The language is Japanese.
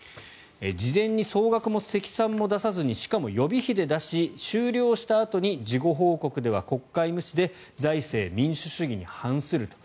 事前に総額も積算も出さずにしかも予備費で出し終了したあとに事後報告では国会無視で財政民主主義に反すると。